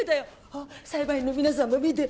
あっ裁判員の皆さんも見て。